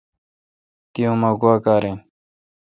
تی اومہ گوا کار این۔